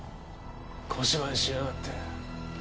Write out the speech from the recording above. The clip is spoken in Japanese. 小芝居しやがって。